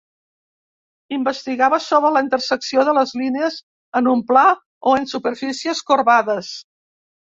Investigava sobre la intersecció de les línies en un pla o en superfícies corbades.